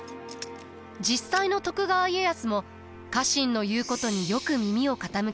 実際の徳川家康も家臣の言うことによく耳を傾けました。